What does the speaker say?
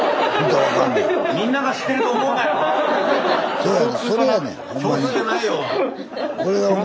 そうやねん！